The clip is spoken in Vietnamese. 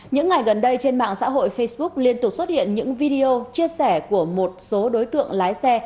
những ngày gần đây trên mạng xã hội facebook liên tục xuất hiện những video chia sẻ của một số đối tượng lái xe